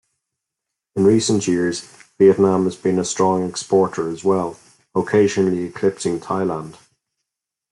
In recent years, Vietnam has been a strong exporter, as well, occasionally eclipsing Thailand.